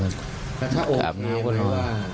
สถาบันกตัววิทยายณ์คือ